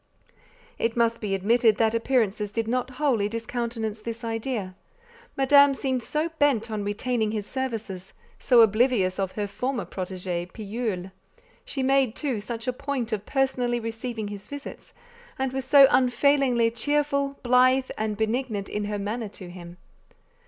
It must be admitted that appearances did not wholly discountenance this idea; Madame seemed so bent on retaining his services, so oblivious of her former protégé, Pillule. She made, too, such a point of personally receiving his visits, and was so unfailingly cheerful, blithe, and benignant in her manner to him.